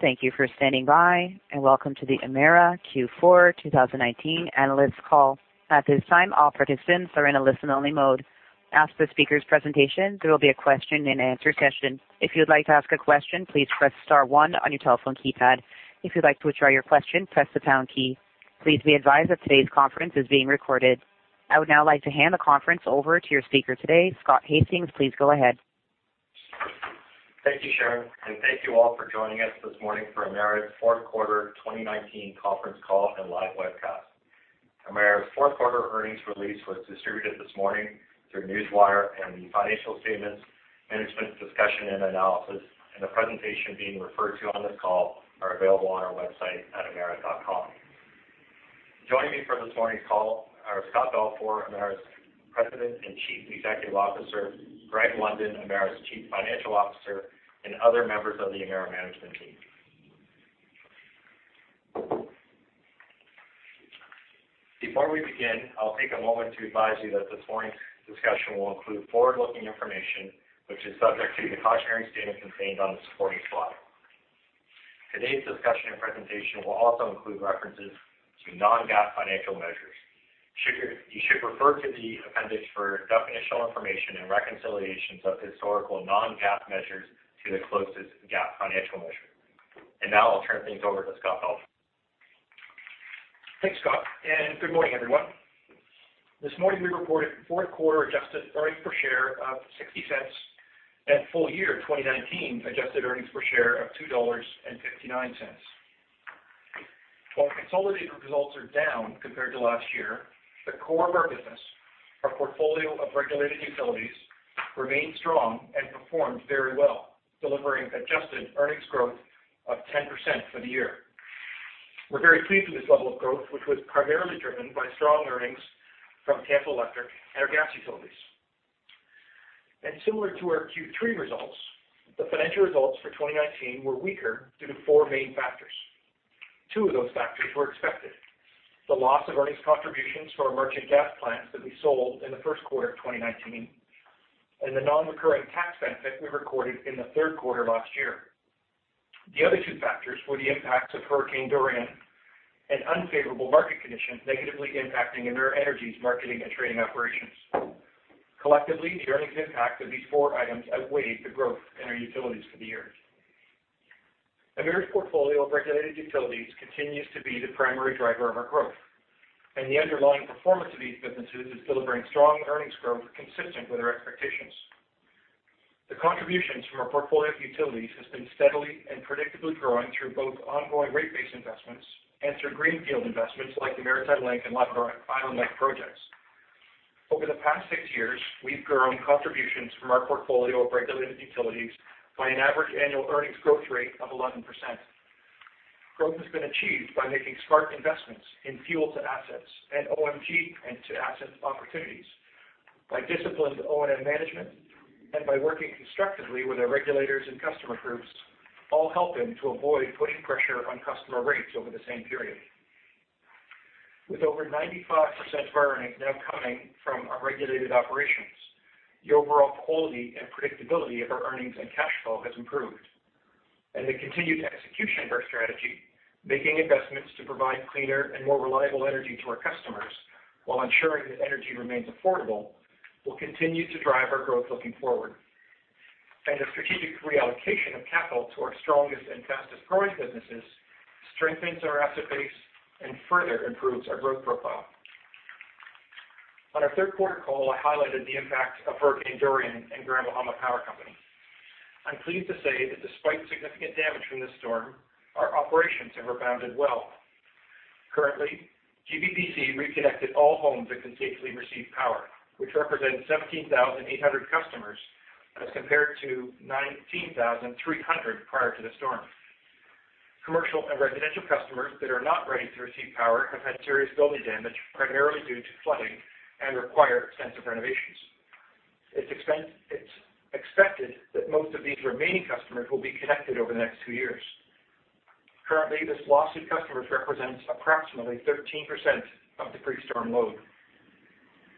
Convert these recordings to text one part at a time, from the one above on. Thank you for standing by, welcome to the Emera Q4 2019 Analyst Call. At this time, all participants are in a listen-only mode. After the speakers' presentation, there will be a question-and-answer session. If you would like to ask a question, please press star one on your telephone keypad. If you'd like to withdraw your question, press the pound key. Please be advised that today's conference is being recorded. I would now like to hand the conference over to your speaker today, Scott Hastings. Please go ahead. Thank you, Sharon. Thank you all for joining us this morning for Emera's fourth quarter 2019 conference call and live webcast. Emera's fourth-quarter earnings release was distributed this morning through Newswire and the financial statements, management discussion and analysis, and the presentation being referred to on this call are available on our website at emera.com. Joining me for this morning's call are Scott Balfour, Emera's President and Chief Executive Officer, Greg Blunden, Emera's Chief Financial Officer, and other members of the Emera management team. Before we begin, I'll take a moment to advise you that this morning's discussion will include forward-looking information, which is subject to the cautionary statement contained on the supporting slide. Today's discussion and presentation will also include references to non-GAAP financial measures. You should refer to the appendix for definitional information and reconciliations of historical non-GAAP measures to the closest GAAP financial measure. Now I'll turn things over to Scott Balfour. Thanks, Scott. Good morning, everyone. This morning, we reported fourth quarter adjusted earnings per share of 0.60 and full year 2019 adjusted earnings per share of 2.59 dollars. While consolidated results are down compared to last year, the core of our business, our portfolio of regulated utilities, remained strong and performed very well, delivering adjusted earnings growth of 10% for the year. We're very pleased with this level of growth, which was primarily driven by strong earnings from Tampa Electric and our gas utilities. Similar to our Q3 results, the financial results for 2019 were weaker due to four main factors. Two of those factors were expected: the loss of earnings contributions for our merchant gas plants that we sold in the first quarter of 2019 and the non-recurring tax benefit we recorded in the third quarter last year. The other two factors were the impacts of Hurricane Dorian and unfavorable market conditions negatively impacting Emera Energy's marketing and trading operations. Collectively, the earnings impact of these four items outweighed the growth in our utilities for the year. Emera's portfolio of regulated utilities continues to be the primary driver of our growth, and the underlying performance of these businesses is delivering strong earnings growth consistent with our expectations. The contributions from our portfolio of utilities has been steadily and predictably growing through both ongoing rate-based investments and through greenfield investments like the Maritime Link and Labrador-Island Link projects. Over the past six years, we've grown contributions from our portfolio of regulated utilities by an average annual earnings growth rate of 11%. Growth has been achieved by making smart investments in fuel-to-assets and OM&G to assets opportunities, by disciplined O&M management, and by working constructively with our regulators and customer groups, all helping to avoid putting pressure on customer rates over the same period. With over 95% of our earnings now coming from our regulated operations, the overall quality and predictability of our earnings and cash flow has improved. The continued execution of our strategy, making investments to provide cleaner and more reliable energy to our customers while ensuring that energy remains affordable, will continue to drive our growth looking forward. The strategic reallocation of capital to our strongest and fastest-growing businesses strengthens our asset base and further improves our growth profile. On our third-quarter call, I highlighted the impact of Hurricane Dorian and Grand Bahama Power Company. I'm pleased to say that despite significant damage from the storm, our operations have rebounded well. Currently, GBPC reconnected all homes that can safely receive power, which represents 17,800 customers as compared to 19,300 prior to the storm. Commercial and residential customers that are not ready to receive power have had serious building damage, primarily due to flooding, and require extensive renovations. It's expected that most of these remaining customers will be connected over the next two years. Currently, this loss of customers represents approximately 13% of the pre-storm load.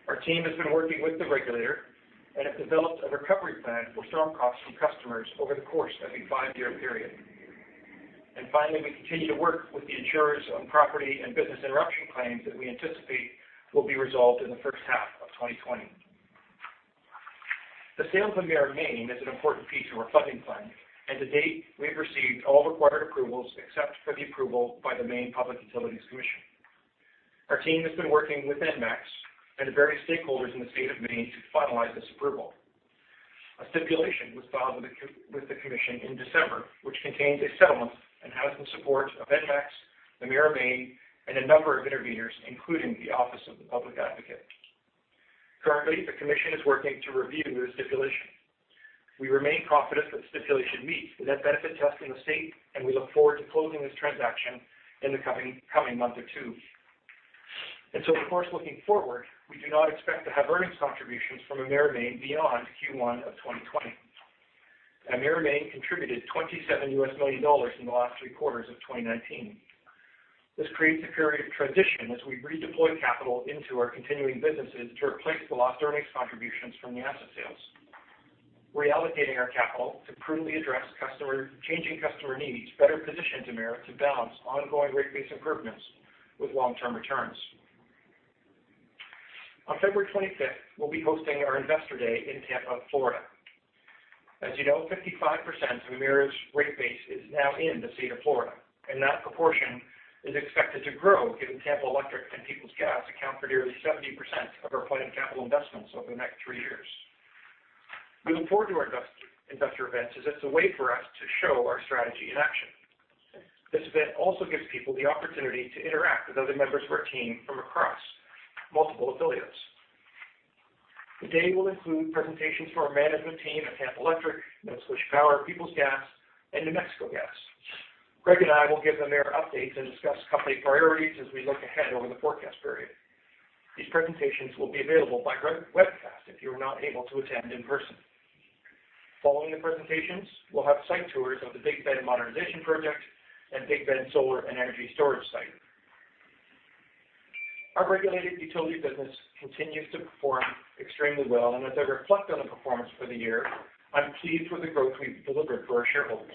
Our team has been working with the regulator and have developed a recovery plan for storm costs to customers over the course of a five-year period. Finally, we continue to work with the insurers on property and business interruption claims that we anticipate will be resolved in the first half of 2020. The sale to Emera Maine is an important piece of our funding plan. To date, we have received all required approvals except for the approval by the Maine Public Utilities Commission. Our team has been working with ENMAX and the various stakeholders in the state of Maine to finalize this approval. A stipulation was filed with the commission in December, which contains a settlement and has the support of ENMAX, Emera Maine, and a number of interveners, including the Office of the Public Advocate. Currently, the commission is working to review the stipulation. We remain confident that the stipulation meets the net benefit test in the state. We look forward to closing this transaction in the coming month or two. Of course, looking forward, we do not expect to have earnings contributions from Emera Maine beyond Q1 of 2020. Emera Maine contributed $27 million in the last three quarters of 2019. This creates a period of transition as we redeploy capital into our continuing businesses to replace the lost earnings contributions from the asset sales. Reallocating our capital to prudently address changing customer needs better positions Emera to balance ongoing rate base improvements with long-term returns. On February 25th, we'll be hosting our Investor Day in Tampa, Florida. As you know, 55% of Emera's rate base is now in the state of Florida, and that proportion is expected to grow given Tampa Electric and Peoples Gas account for nearly 70% of our planned capital investments over the next three years. We look forward to our investor events as it's a way for us to show our strategy in action. This event also gives people the opportunity to interact with other members of our team from across multiple affiliates. The day will include presentations from our management team at Tampa Electric, Nova Scotia Power, Peoples Gas, and New Mexico Gas. Greg and I will give Emera updates and discuss company priorities as we look ahead over the forecast period. These presentations will be available by webcast if you're not able to attend in person. Following the presentations, we'll have site tours of the Big Bend Modernization project and Big Bend Solar and energy storage site. Our regulated utility business continues to perform extremely well, and as I reflect on the performance for the year, I'm pleased with the growth we've delivered for our shareholders.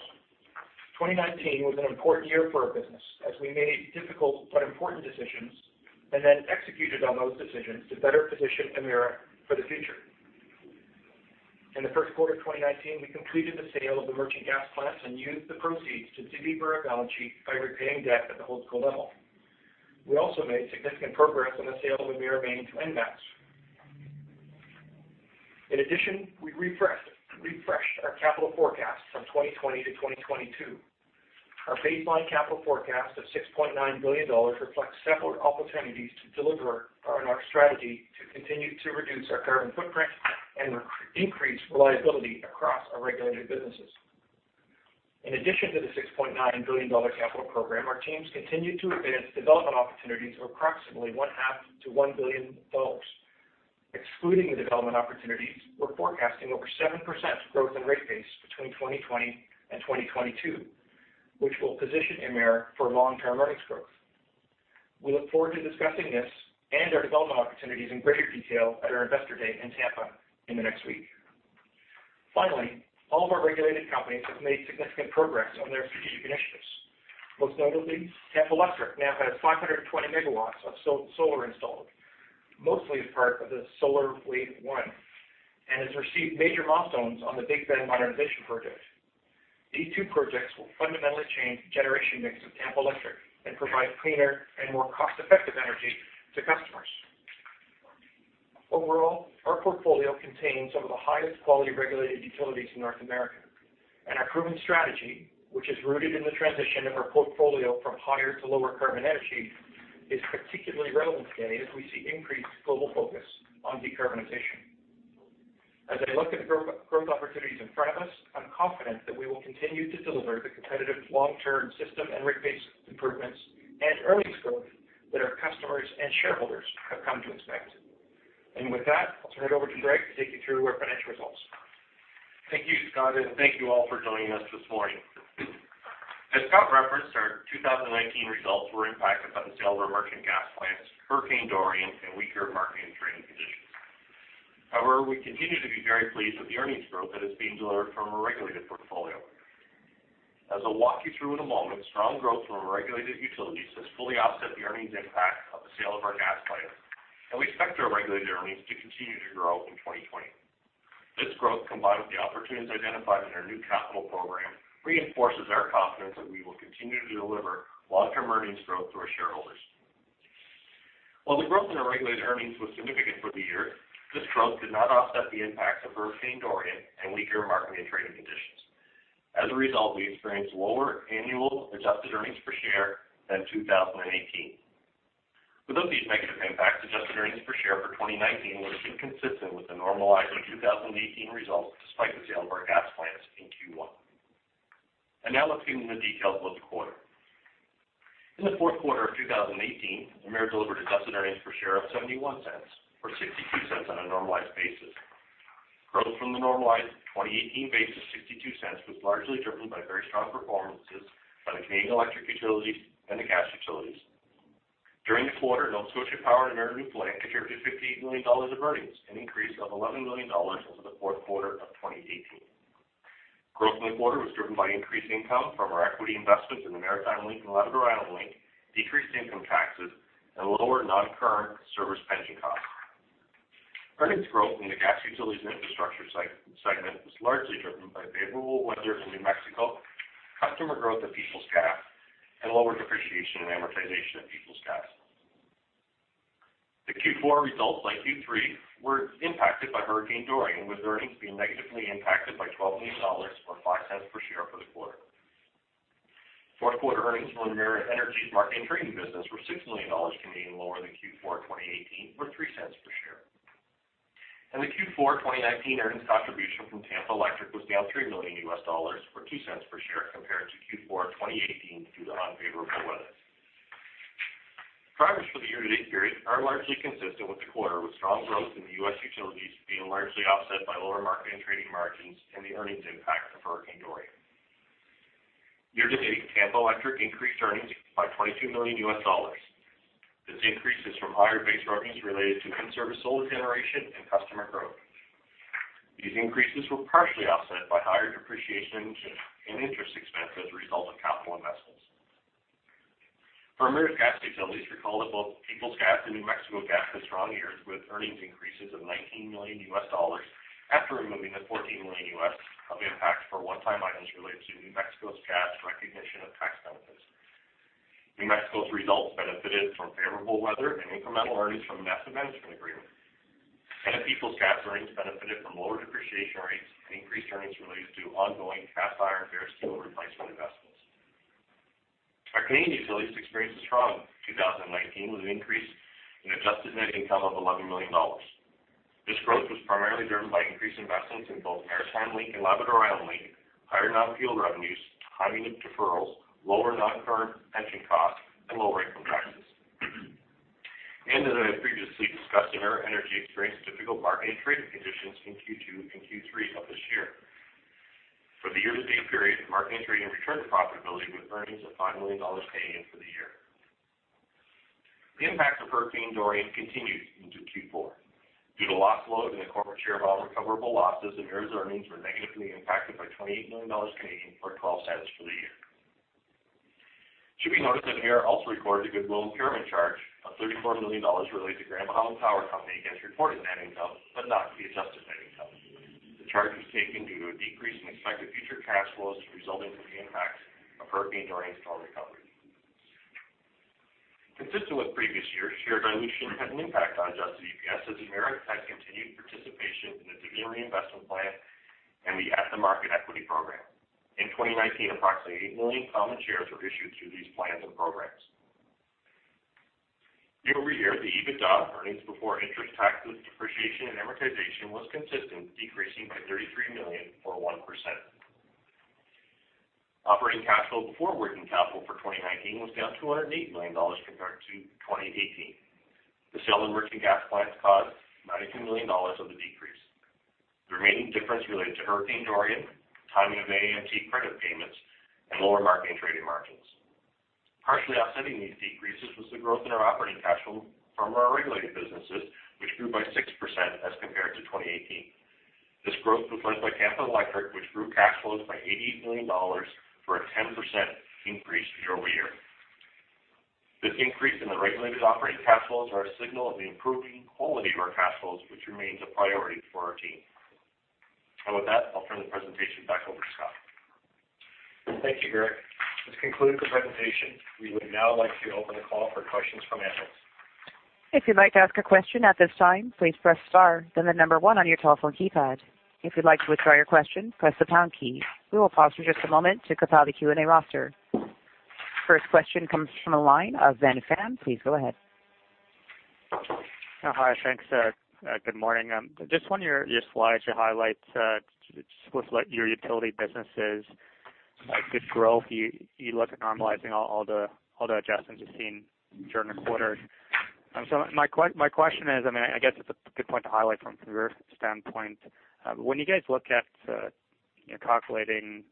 2019 was an important year for our business as we made difficult but important decisions, and then executed on those decisions to better position Emera for the future. In the first quarter of 2019, we completed the sale of the merchant gas plants and used the proceeds to de-lever our balance sheet by repaying debt at the holdco level. We also made significant progress on the sale of Emera Maine to ENMAX. In addition, we refreshed our capital forecast from 2020 to 2022. Our baseline capital forecast of 6.9 billion dollars reflects several opportunities to deliver on our strategy to continue to reduce our carbon footprint and increase reliability across our regulated businesses. In addition to the 6.9 billion dollar capital program, our teams continue to advance development opportunities of 0.5 billion-1 billion dollars.. Excluding the development opportunities, we're forecasting over 7% growth in rate base between 2020 and 2022, which will position Emera for long-term earnings growth. We look forward to discussing this and our development opportunities in greater detail at our Investor Day in Tampa in the next week. Finally, all of our regulated companies have made significant progress on their strategic initiatives. Most notably, Tampa Electric now has 520 MW of solar installed, mostly as part of the Solar Wave One, and has received major milestones on the Big Bend Modernization project. These two projects will fundamentally change the generation mix of Tampa Electric and provide cleaner and more cost-effective energy to customers. Overall, our portfolio contains some of the highest quality regulated utilities in North America, and our proven strategy, which is rooted in the transition of our portfolio from higher to lower carbon energy, is particularly relevant today as we see increased global focus on decarbonization. As I look at the growth opportunities in front of us, I'm confident that we will continue to deliver the competitive long-term system and rate base improvements and earnings growth that our customers and shareholders have come to expect. With that, I'll turn it over to Greg to take you through our financial results. Thank you, Scott, and thank you all for joining us this morning. As Scott referenced, our 2019 results were impacted by the sale of our merchant gas plants, Hurricane Dorian, and weaker marketing and trading conditions. We continue to be very pleased with the earnings growth that is being delivered from our regulated portfolio. As I'll walk you through in a moment, strong growth from our regulated utilities has fully offset the earnings impact of the sale of our gas plants, and we expect our regulated earnings to continue to grow in 2020. This growth, combined with the opportunities identified in our new capital program, reinforces our confidence that we will continue to deliver long-term earnings growth to our shareholders. While the growth in our regulated earnings was significant for the year, this growth did not offset the impacts of Hurricane Dorian and weaker marketing and trading conditions. We experienced lower annual adjusted earnings per share than 2018. Without these negative impacts, adjusted earnings per share for 2019 would have been consistent with the normalized 2018 results, despite the sale of our gas plants in Q1. Now let's get into the details of the quarter. In the fourth quarter of 2018, Emera delivered adjusted earnings per share of 0.71-0.62 on a normalized basis. Growth from the normalized 2018 base of 0.62 was largely driven by very strong performances by the Canadian electric utilities and the gas utilities. During the quarter, Nova Scotia Power and Irving Plant contributed 58 million dollars of earnings, an increase of 11 million dollars over the fourth quarter of 2018. Growth in the quarter was driven by increased income from our equity investments in the Maritime Link and Labrador-Island Link, decreased income taxes, and lower non-current service pension costs. Earnings growth in the gas utilities and infrastructure segment was largely driven by favorable weather in New Mexico, customer growth at Peoples Gas, and lower depreciation and amortization at Peoples Gas. The Q4 results, like Q3, were impacted by Hurricane Dorian, with earnings being negatively impacted by 12 million dollars, or 0.05 per share for the quarter. Fourth quarter earnings from Emera Energy's marketing and trading business were 6 million Canadian dollars, lower than Q4 2018, or 0.03 per share. The Q4 2019 earnings contribution from Tampa Electric was down $3 million, or $0.02 per share compared to Q4 2018 due to unfavorable weather. Progress for the year-to-date period are largely consistent with the quarter, with strong growth in the U.S. utilities being largely offset by lower market and trading margins and the earnings impact of Hurricane Dorian. Year-to-date, Tampa Electric increased earnings by $22 million. This increase is from higher base revenues related to in-service solar generation and customer growth. These increases were partially offset by higher depreciation and interest expense as a result of capital investments. For Emera Gas Utilities, recall that both Peoples Gas and New Mexico Gas had strong years, with earnings increases of $19 million after removing the $14 million of impact for one-time items related to New Mexico Gas' recognition of tax benefits. New Mexico's results benefited from favorable weather and incremental earnings from an asset management agreement. Peoples Gas earnings benefited from lower depreciation rates and increased earnings related to ongoing cast iron and bare steel replacement investments. Our Canadian utilities experienced a strong 2019, with an increase in adjusted net income of 11 million dollars. This growth was primarily driven by increased investments in both Maritime Link and Labrador-Island Link, higher non-fuel revenues, timing of deferrals, lower non-current pension costs, and lower income taxes. As I have previously discussed, Emera Energy experienced difficult marketing and trading conditions in Q2 and Q3 of this year. For the year-to-date period, marketing and trading returned to profitability with earnings of 5 million dollars for the year. The impact of Hurricane Dorian continued into Q4. Due to loss load and the corporate share of all recoverable losses, Emera's earnings were negatively impacted by 28 million Canadian dollars for 0.12 for the year. It should be noted that Emera also recorded a goodwill impairment charge of 34 million dollars related to Grand Bahama Power Company against reported net income, but not the adjusted net income. The charge was taken due to a decrease in expected future cash flows resulting from the impact of Hurricane Dorian's storm recovery. Consistent with previous years, share dilution had an impact on adjusted EPS as Emera has continued participation in the dividend reinvestment plan and the At-the-Market Equity Program. In 2019, approximately 8 million common shares were issued through these plans and programs. Year-over-year, the EBITDA, earnings before interest, taxes, depreciation, and amortization, was consistent, decreasing by 33 million or 1%. Operating cash flow before working capital for 2019 was down 208 million dollars compared to 2018. The sale of merchant gas plants caused 92 million dollars of the decrease. The remaining difference related to Hurricane Dorian, timing of AMT credit payments, and lower marketing trading margins. Partially offsetting these decreases was the growth in our operating cash flow from our regulated businesses, which grew by 6% as compared to 2018. This growth was led by Tampa Electric, which grew cash flows by 88 million dollars or a 10% increase year-over-year. This increase in the regulated operating cash flows are a signal of the improving quality of our cash flows, which remains a priority for our team. With that, I'll turn the presentation back over to Scott. Thank you, Greg. This concludes the presentation. We would now like to open the call for questions from analysts. If you'd like to ask a question at this time, please press star, then the number one on your telephone keypad. If you'd like to withdraw your question, press the pound key. We will pause for just a moment to compile the Q&A roster. First question comes from the line of Ben Pham. Please go ahead. Hi. Thanks. Good morning. Just on your slides, you highlight your utility businesses' good growth. You look at normalizing all the adjustments you've seen during the quarter. My question is, I guess it's a good point to highlight from Emera's standpoint. When you guys look at calculating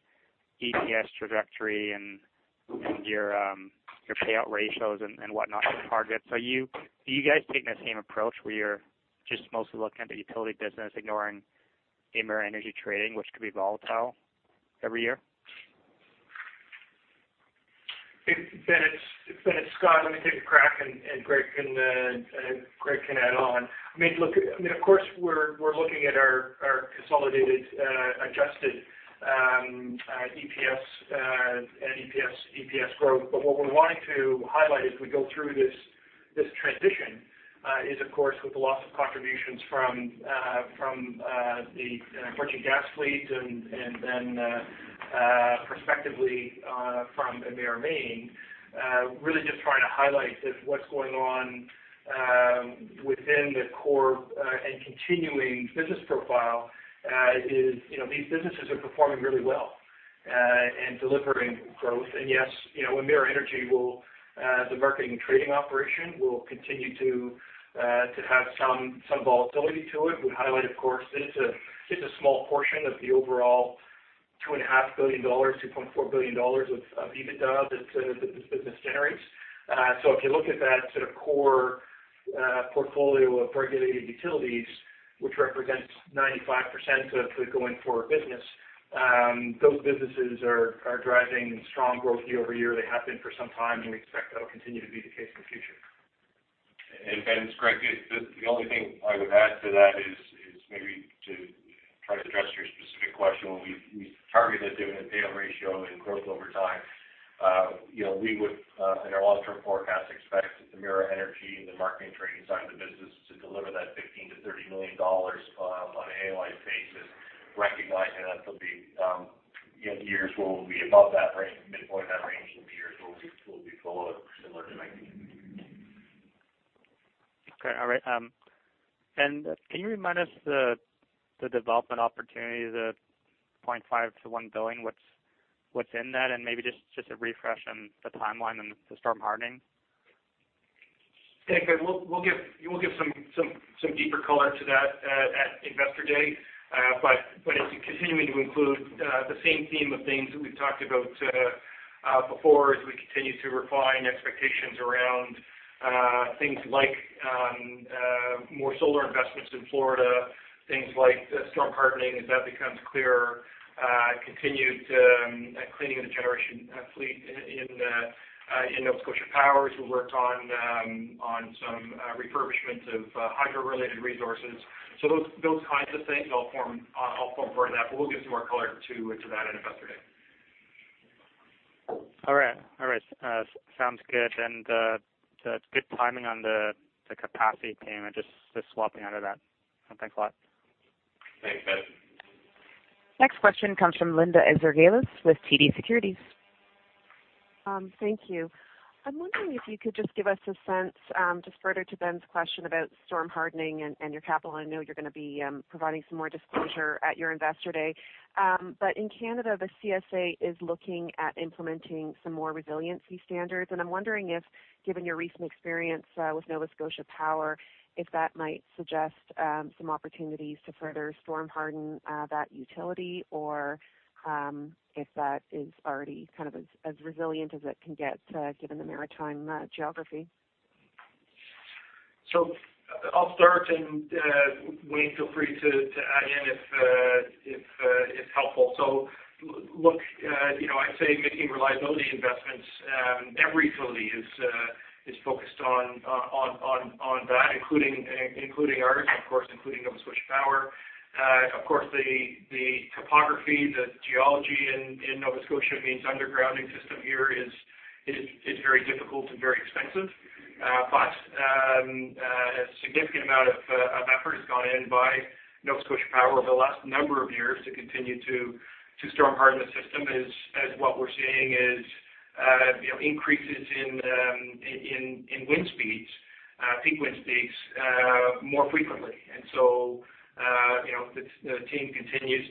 EPS trajectory and your payout ratios and whatnot, your targets, are you guys taking the same approach where you're just mostly looking at the utility business, ignoring Emera Energy trading, which could be volatile every year? Hey, Ben, it's Scott. Let me take a crack, and Greg can add on. We're looking at our consolidated adjusted EPS and EPS growth. What we're wanting to highlight as we go through this transition is, of course, with the loss of contributions from the merchant gas fleet and then prospectively from Emera Maine, really just trying to highlight that what's going on within the core and continuing business profile is these businesses are performing really well and delivering growth. Yes, Emera Energy, the marketing and trading operation, will continue to have some volatility to it. We highlight, of course, that it's a small portion of the overall 2.5 billion-2.4 billion dollars of EBITDA that this business generates. If you look at that sort of core portfolio of regulated utilities, which represents 95% of the going-forward business, those businesses are driving strong growth year-over-year. They have been for some time, and we expect that'll continue to be the case in the future. Ben, it's Greg. The only thing I would add to that is maybe to try to address your specific question. When we target a dividend payout ratio and growth over time, we would, in our long-term forecast, expect that Emera Energy and the marketing and trading side of the business to deliver that 15 million-30 million dollars on an annualized basis, recognizing that there'll be years where we'll be above that midpoint of that range and years where we'll be below it, similar to 2019 and 2020. Okay. All right. Can you remind us the development opportunity, the 0.5 billion-1 billion. What's in that? Maybe just a refresh on the timeline on the storm hardening. Yeah. Good. We'll give some deeper color to that at Investor Day. It's continuing to include the same theme of things that we've talked about before as we continue to refine expectations around things like more solar investments in Florida, things like storm hardening as that becomes clearer, continued cleaning of the generation fleet in Nova Scotia Power, as we worked on some refurbishment of hydro-related resources. Those kinds of things all form part of that. We'll give some more color to that at Investor Day. All right. Sounds good. Good timing on the capacity payment, just swapping out of that. Thanks a lot. Thanks, Ben. Next question comes from Linda Ezergailis with TD Securities. Thank you. I'm wondering if you could just give us a sense, just further to Ben's question about storm hardening and your capital. I know you're going to be providing some more disclosure at your Investor Day. In Canada, the CSA is looking at implementing some more resiliency standards. I'm wondering if, given your recent experience with Nova Scotia Power, if that might suggest some opportunities to further storm-harden that utility or if that is already kind of as resilient as it can get, given the maritime geography. I'll start and, Wayne, feel free to add in if it's helpful. I'd say making reliability investments, every utility is focused on that, including ours, of course, including Nova Scotia Power. Of course, the topography, the geology in Nova Scotia means undergrounding system here is very difficult and very expensive. A significant amount of effort has gone in by Nova Scotia Power over the last number of years to continue to storm-harden the system, as what we're seeing is increases in peak wind speeds more frequently. The team continues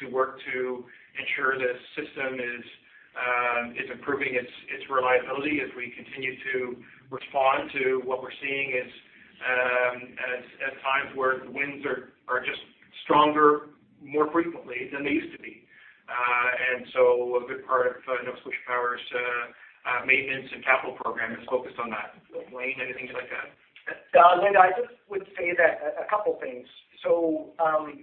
to work to ensure the system is improving its reliability as we continue to respond to what we're seeing as times where the winds are just stronger more frequently than they used to be. A good part of Nova Scotia Power's maintenance and capital program is focused on that. Wayne, anything to add to that? Linda, I just would say a couple of things.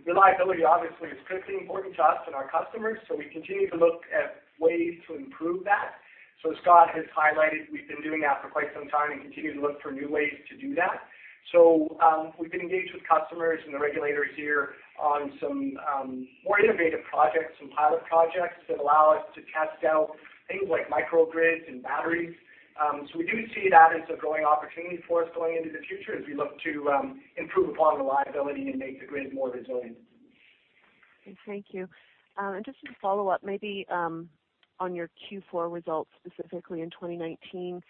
Reliability obviously is critically important to us and our customers, so we continue to look at ways to improve that. Scott has highlighted, we've been doing that for quite some time and continue to look for new ways to do that. We've been engaged with customers and the regulators here on some more innovative projects, some pilot projects that allow us to test out things like microgrids and batteries. We do see that as a growing opportunity for us going into the future as we look to improve upon reliability and make the grid more resilient. Okay. Thank you. Just as a follow-up, maybe on your Q4 results, specifically in 2019.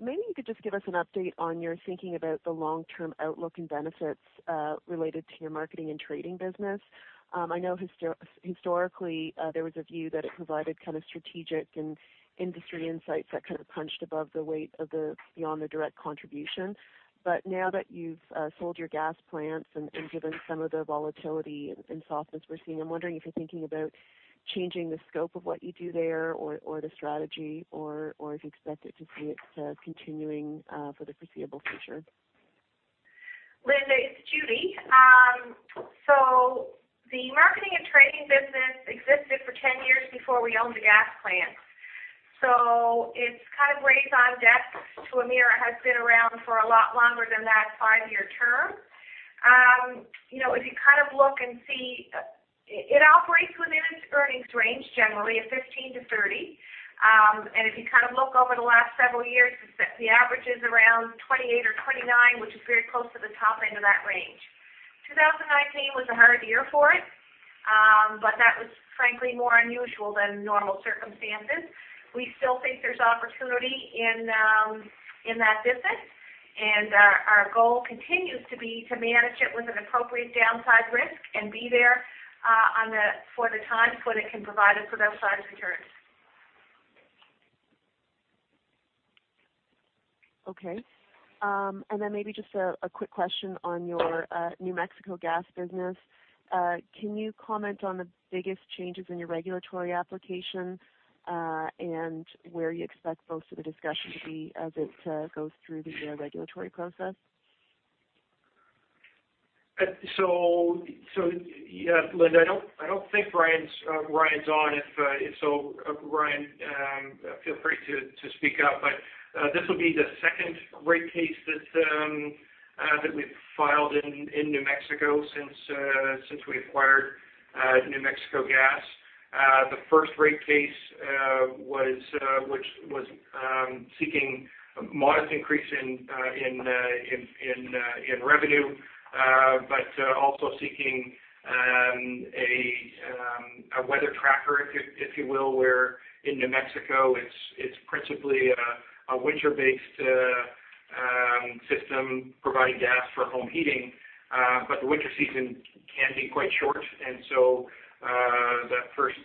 Maybe you could just give us an update on your thinking about the long-term outlook and benefits related to your marketing and trading business. I know historically, there was a view that it provided kind of strategic and industry insights that kind of punched above the weight beyond the direct contribution. Now that you've sold your gas plants and given some of the volatility and softness we're seeing, I'm wondering if you're thinking about changing the scope of what you do there or the strategy, or if you expect to see it continuing for the foreseeable future. Linda, it's Judy. The marketing and trading business existed for 10 years before we owned the gas plant. It's kind of raised on debt to Emera, has been around for a lot longer than that five-year term. If you kind of look and see, it operates within its earnings range generally of 15 to 30. If you kind of look over the last several years, the average is around 28 or 29, which is very close to the top end of that range. 2019 was a hard year for it. That was frankly more unusual than normal circumstances. We still think there's opportunity in that business, and our goal continues to be to manage it with an appropriate downside risk and be there for the times when it can provide us with upside returns. Okay. Maybe just a quick question on your New Mexico Gas business. Can you comment on the biggest changes in your regulatory application? Where you expect most of the discussion to be as it goes through the regulatory process? Linda, I don't think Ryan's on. If so, Ryan, feel free to speak up. This will be the second rate case that we've filed in New Mexico since we acquired New Mexico Gas. The first rate case was seeking a modest increase in revenue. Also seeking a weather tracker, if you will, where in New Mexico, it's principally a winter-based. System providing gas for home heating. The winter season can be quite short. That first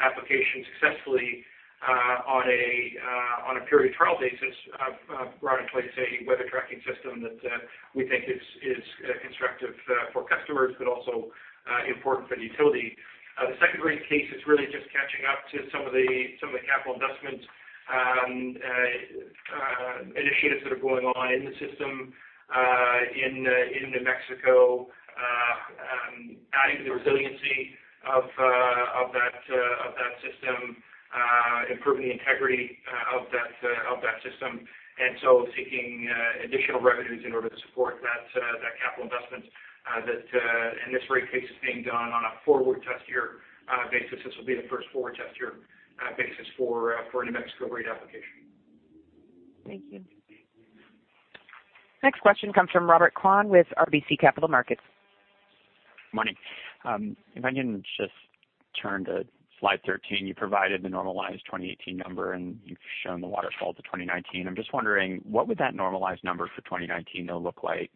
application successfully on a period trial basis brought into place a weather tracking system that we think is constructive for customers, but also important for the utility. The second rate case is really just catching up to some of the capital investment initiatives that are going on in the system in New Mexico, adding to the resiliency of that system, improving the integrity of that system. Seeking additional revenues in order to support that capital investment, in this rate case is being done on a forward test year basis. This will be the first forward test year basis for a New Mexico rate application. Thank you. Next question comes from Robert Kwan with RBC Capital Markets. Morning. If I can just turn to slide 13, you provided the normalized 2018 number, you've shown the waterfall to 2019. I'm just wondering, what would that normalized number for 2019 now look like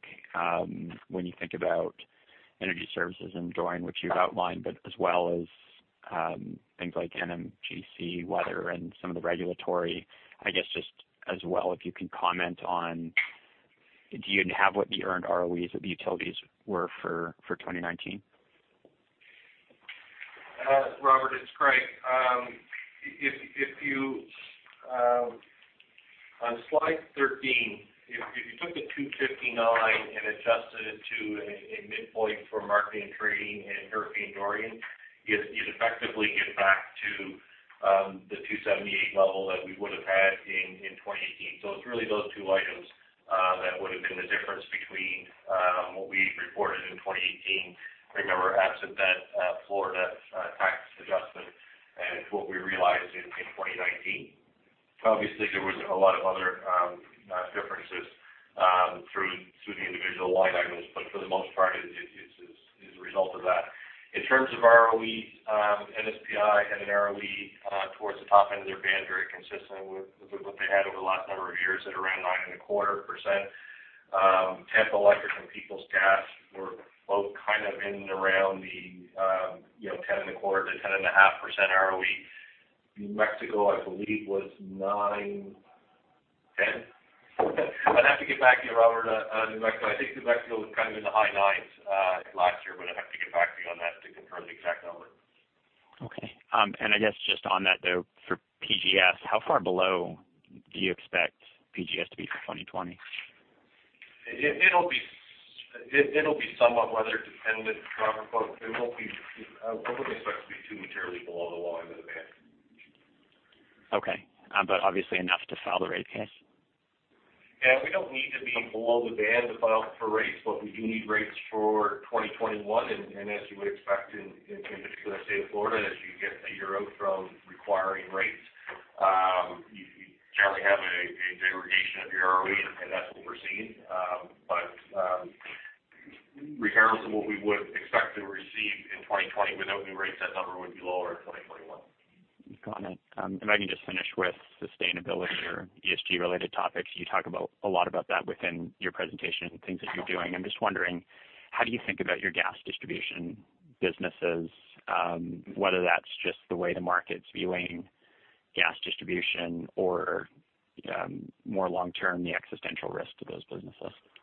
when you think about energy services and Dorian, which you've outlined, as well as things like NMGC weather and some of the regulatory? I guess just as well, if you can comment on, do you have what the earned ROEs of the utilities were for 2019? Robert, it's Greg. On slide 13, if you took the 259 and adjusted it to a midpoint for marketing and trading and Hurricane Dorian, you'd effectively get back to the 278 level that we would have had in 2018. It's really those two items that would have been the difference between what we reported in 2018, remember, absent that Florida tax adjustment, and what we realized in 2019. There was a lot of other differences through the individual line items. For the most part, it is a result of that. In terms of ROE, NSPI had an ROE towards the top end of their band, very consistent with what they had over the last number of years at around 9.25%. Tampa Electric and Peoples Gas were both in around the 10.25%-10.5% ROE. New Mexico, I believe, was 9.10%. I'd have to get back to you, Robert, on New Mexico. I think New Mexico was kind of in the high 9s last year. I'd have to get back to you on that to confirm the exact number. Okay. I guess just on that, though, for PGS, how far below do you expect PGS to be for 2020? It'll be somewhat weather-dependent, Robert, but I wouldn't expect it to be too materially below the bottom of the band. Okay. Obviously enough to file the rate case. Yeah, we don't need to be below the band to file for rates, but we do need rates for 2021. As you would expect in particular the state of Florida, as you get a year out from requiring rates, you generally have a degradation of your ROE, and that's what we're seeing. Regardless of what we would expect to receive in 2020 without new rates, that number would be lower in 2021. Got it. If I can just finish with sustainability or ESG-related topics. You talk a lot about that within your presentation and things that you're doing. I'm just wondering, how do you think about your gas distribution businesses? Whether that's just the way the market's viewing gas distribution or more long-term, the existential risk to those businesses? Yeah,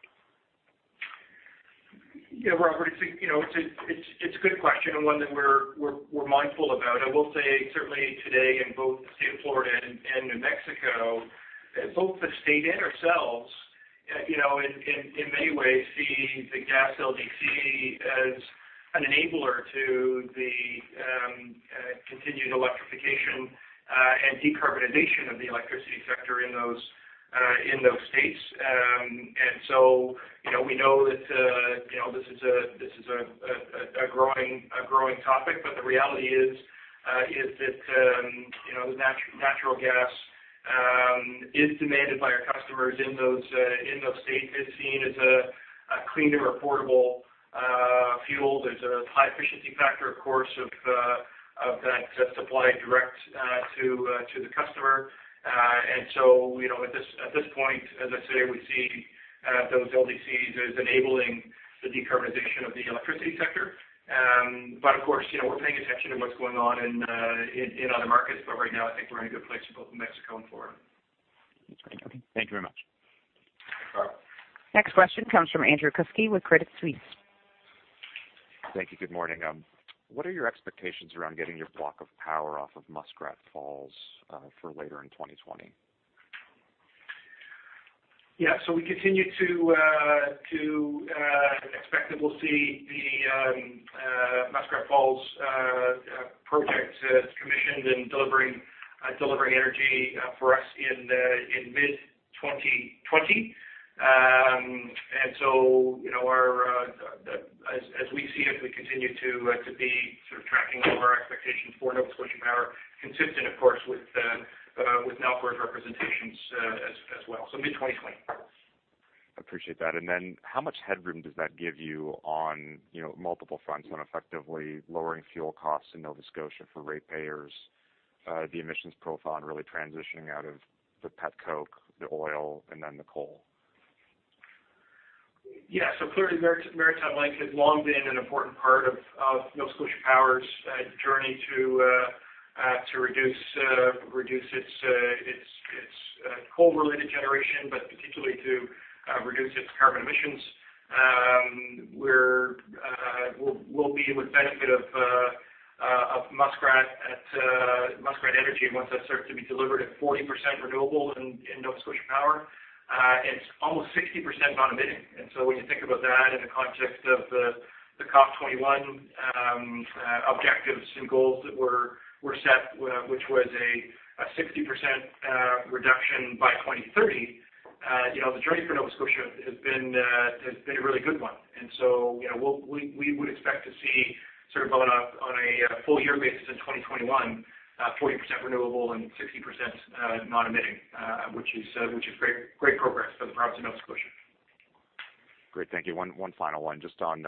Robert, it's a good question and one that we're mindful about. I will say certainly today in both the state of Florida and New Mexico, both the state and ourselves in many ways see the gas LDC as an enabler to the continued electrification and decarbonization of the electricity sector in those states. We know that this is a growing topic. The reality is that natural gas is demanded by our customers in those states. It's seen as a cleaner, affordable fuel. There's a high-efficiency factor, of course, of that supply direct to the customer. At this point, as I say, we see those LDCs as enabling the decarbonization of the electricity sector. Of course, we're paying attention to what's going on in other markets. Right now, I think we're in a good place in both New Mexico and Florida. Okay. Thank you very much. Thanks, Next question comes from Andrew Kuske with Credit Suisse. Thank you. Good morning. What are your expectations around getting your block of power off of Muskrat Falls for later in 2020? We continue to expect that we'll see the Muskrat Falls project commissioned and delivering energy for us in mid-2020. As we see it, we continue to be sort of tracking all of our expectations for Nova Scotia Power, consistent of course with Nalcor's representations as well. Mid-2020. Appreciate that. How much headroom does that give you on multiple fronts on effectively lowering fuel costs in Nova Scotia for ratepayers, the emissions profile, and really transitioning out of the petcoke, the oil, and then the coal? Clearly, Maritime Link has long been an important part of Nova Scotia Power's journey to reduce its coal-related generation, but particularly to reduce its carbon emissions. We'll be with the benefit of Muskrat Energy, once that starts to be delivered, at 40% renewable in Nova Scotia Power. It's almost 60% non-emitting. When you think about that in the context of the COP21 objectives and goals that were set, which was a 60% reduction by 2030. The journey for Nova Scotia has been a really good one. We would expect to see sort of on a full-year basis in 2021, 40% renewable and 60% non-emitting, which is great progress for the province of Nova Scotia. Great. Thank you. One final one, just on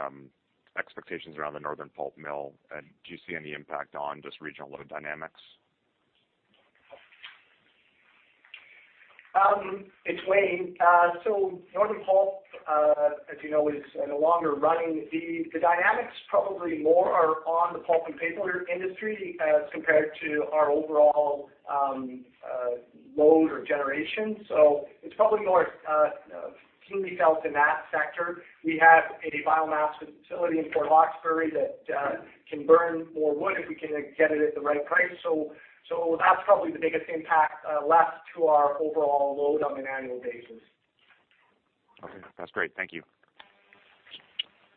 expectations around the Northern Pulp mill. Do you see any impact on just regional load dynamics? It is Wayne. Northern Pulp, as you know, is no longer running. The dynamics probably more are on the pulp and paper industry as compared to our overall load or generation. It's probably more keenly felt in that sector. We have a biomass facility in Port Hawkesbury that can burn more wood if we can get it at the right price. That's probably the biggest impact left to our overall load on an annual basis. Okay. That's great. Thank you.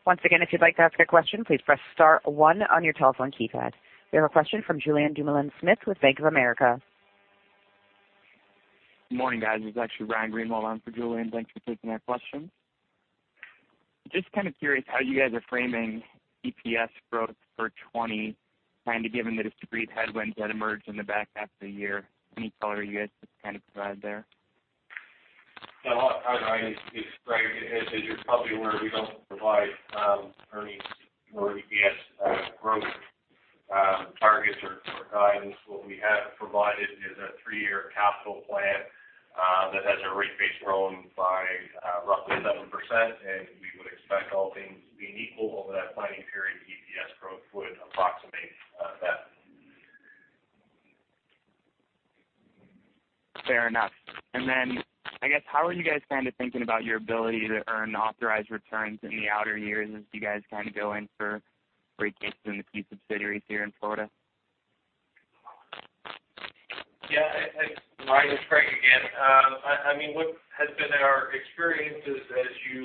Once again, if you'd like to ask a question, please press star one on your telephone keypad. We have a question from Julien Dumoulin-Smith with Bank of America. Good morning, guys. This is actually Ryan Greenwald on for Julien. Thanks for taking our questions. Just kind of curious how you guys are framing EPS growth for 2020, given the degree of headwinds that emerged in the back half of the year. Any color you guys could provide there? Hi, Ryan. It's Greg. As you're probably aware, we don't provide earnings or EPS growth targets or guidance. What we have provided is a three-year capital plan that has our rate base growing by roughly 7%, and we would expect, all things being equal over that planning period, EPS growth would approximate that. Fair enough. Then, I guess, how are you guys kind of thinking about your ability to earn authorized returns in the outer years as you guys go in for rate cases in the key subsidiaries here in Florida? Yeah. Ryan, it's Greg again. What has been our experience is as you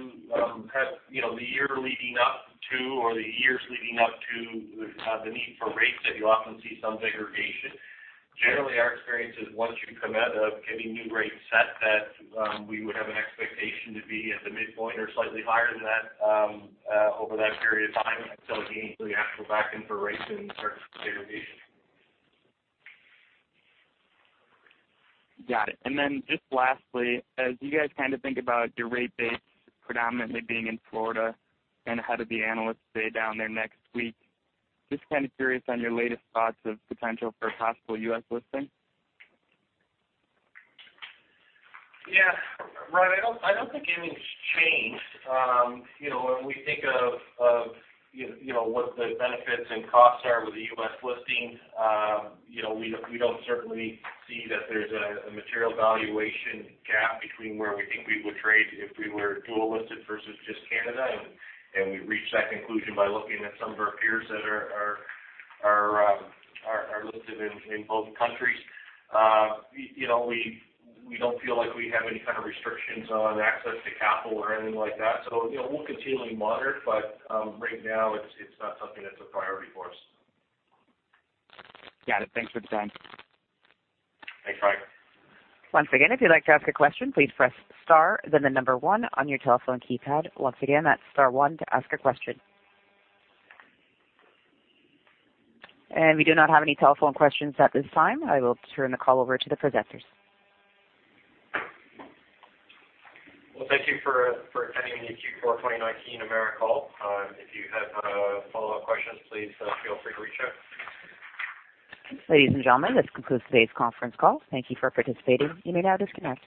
have the year leading up to, or the years leading up to the need for rates, that you often see some degradation. Generally, our experience is once you come out of getting new rates set, that we would have an expectation to be at the midpoint or slightly higher than that over that period of time, until again, you have to go back in for rates and start the degradation. Got it. Just lastly, as you guys think about your rate base predominantly being in Florida, and ahead of the analyst day down there next week, just kind of curious on your latest thoughts of potential for a possible U.S. listing. Ryan, I don't think anything's changed. When we think of what the benefits and costs are with a U.S. listing, we don't certainly see that there's a material valuation gap between where we think we would trade if we were dual-listed versus just Canada. We've reached that conclusion by looking at some of our peers that are listed in both countries. We don't feel like we have any kind of restrictions on access to capital or anything like that. We'll continually monitor it, but right now it's not something that's a priority for us. Got it. Thanks for the time. Thanks, Ryan. Once again, if you'd like to ask a question, please press star, then the number one on your telephone keypad. Once again, that's star one to ask a question. We do not have any telephone questions at this time. I will turn the call over to the presenters. Well, thank you for attending the Q4 2019 Emera call. If you have follow-up questions, please feel free to reach out. Ladies and gentlemen, this concludes today's conference call. Thank you for participating. You may now disconnect.